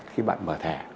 khi bạn mở thẻ